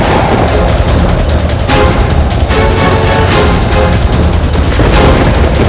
aku akan menangkapmu